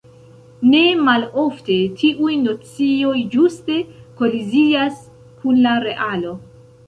Ne malofte tiuj nocioj ĝuste kolizias kun la realo.